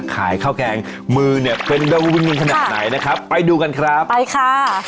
ข้าวแกงมือเนี่ยเป็นดาวินขนาดไหนนะครับไปดูกันครับไปค่ะ